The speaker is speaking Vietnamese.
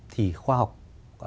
thì khoa học kỹ thuật